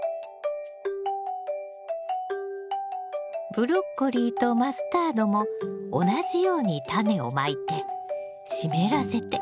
ブロッコリーとマスタードも同じようにタネをまいて湿らせて。